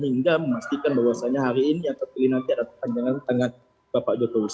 hingga memastikan bahwasannya hari ini akan terpilih nanti adalah panjangan tangan bapak jokowi